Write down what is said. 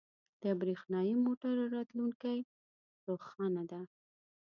• د برېښنايی موټرو راتلونکې روښانه ده.